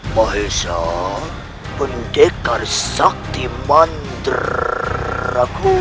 mahesa pendekar sakti mandiraku